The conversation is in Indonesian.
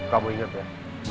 kamu ingat ya